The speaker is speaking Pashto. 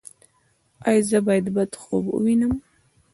ایا زه باید بد خوب ووینم؟